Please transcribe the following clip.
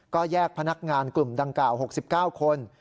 ก็แยกพนักงานกลุ่มดังกล่าว๖๙คน